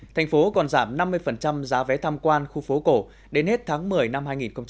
thành phố còn giảm năm mươi giá vé tham quan khu phố cổ đến hết tháng một mươi năm hai nghìn hai mươi